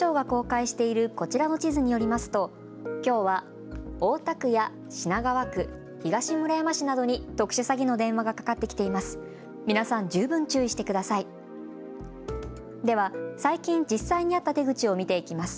警視庁が公開しているこちらの地図によりますときょうは大田区や品川区、東村山市などに特殊詐欺の電話がかかってきています。